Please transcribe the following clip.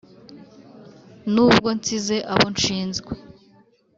n’ubwo nsize abo nshinzwe